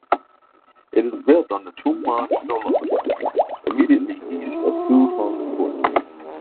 It is built on the Tuen Mun Nullah immediately east of Siu Hong Court.